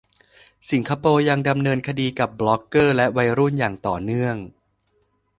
สิงคโปร์ยังดำเนินคดีกับบล็อกเกอร์และวัยรุ่นอย่างต่อเนื่อง